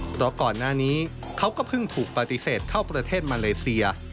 เพราะก่อนหน้านี้เขาก็เพิ่งถูกปฏิเสธเข้าประเทศมาเลเซีย